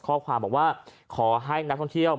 ข้อความบอกว่าขอให้นักท่องเที่ยว